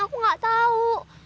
aku gak tau